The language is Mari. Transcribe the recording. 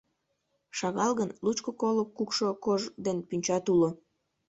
Шагал гын, лучко-коло кукшо кож ден пӱнчат уло.